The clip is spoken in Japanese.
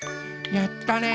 やったね。